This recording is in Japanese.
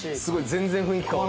全然雰囲気変わる。